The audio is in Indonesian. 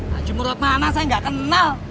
haji murwut mana say gak kenal